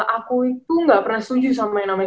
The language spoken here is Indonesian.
aku itu gak pernah setuju sama yang namanya